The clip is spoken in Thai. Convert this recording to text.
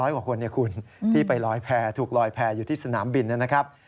๘๐๐กว่าคนที่ไปรอยแพร่ถูกรอยแพร่อยู่ที่สนามบินนะครับ